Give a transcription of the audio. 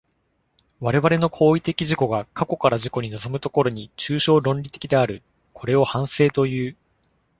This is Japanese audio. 我々の行為的自己が過去から自己に臨む所に、抽象論理的である。これを反省という。